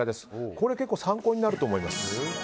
結構参考になると思います。